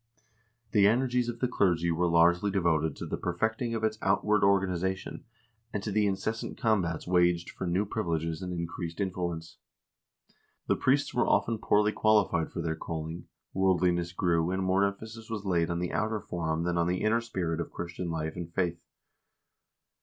The energies of the clergy were largely devoted to the perfecting of its outward organization, and to the incessant combats waged for new privileges and increased influence. The priests were often poorly qualified for their calling, worldliness grew, and more emphasis was laid on the outer form than on the inner spirit of Christian life and faith.